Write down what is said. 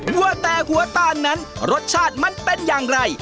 ว่าแต่หัวตาลนั้นรสชาติมันเป็นอย่างไร